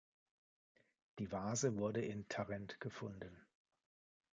Die Vase wurde in Tarent gefunden.